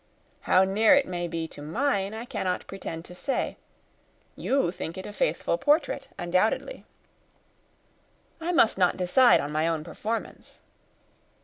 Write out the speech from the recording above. "How near it may be to mine, I cannot pretend to say. You think it a faithful portrait, undoubtedly." "I must not decide on my own performance."